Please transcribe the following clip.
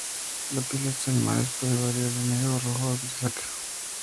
La piel de estos animales puede variar de negro a rojo grisáceo.